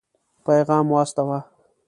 پيغام واستاوه.